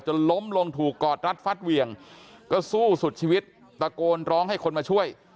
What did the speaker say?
ล้มลงถูกกอดรัดฟัดเหวี่ยงก็สู้สุดชีวิตตะโกนร้องให้คนมาช่วย